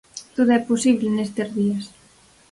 Todo é posible nestes días.